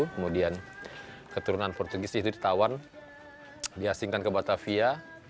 kemudian keturunan portugis itu ditawan diasingkan ke batavia